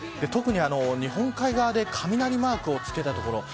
特に日本海側で雷マークをつけた所